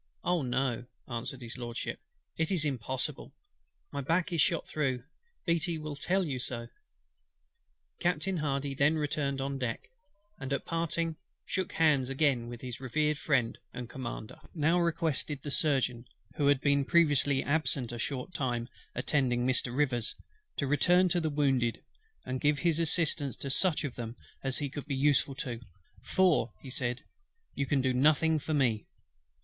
"Oh! no," answered HIS LORDSHIP; "it is impossible. My back is shot through. BEATTY will tell you so." Captain HARDY then returned on deck, and at parting shook hands again with his revered friend and commander. HIS LORDSHIP now requested the Surgeon, who had been previously absent a short time attending Mr. RIVERS, to return to the wounded, and give his assistance to such of them as he could be useful to; "for," said he, "you can do nothing for me."